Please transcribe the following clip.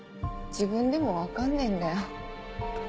自分でも分かんねんだよ。